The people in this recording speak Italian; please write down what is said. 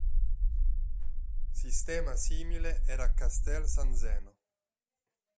Sistema simile era a castel San Zeno.